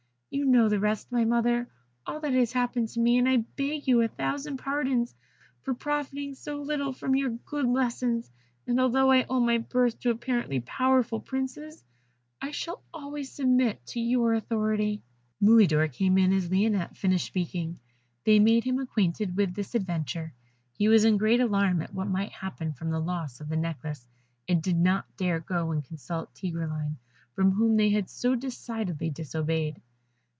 You know the rest, my mother all that has happened to me, and I beg you a thousand pardons for profiting so little from your good lessons; and although I owe my birth to apparently powerful princes, I shall always submit to your authority." Mulidor came in as Lionette finished speaking; they made him acquainted with this adventure; he was in great alarm at what might happen from the loss of the necklace, and did not dare go and consult Tigreline, whom they had so decidedly disobeyed.